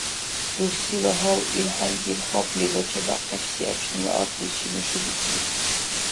Рурсила гьав илхӀяйзиб хапли бача-бяхъибси гӀебшнила аргъличи мешубикилри.